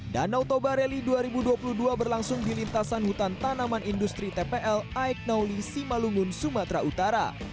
danau toba rally dua ribu dua puluh dua berlangsung di lintasan hutan tanaman industri tpl aiknauli simalungun sumatera utara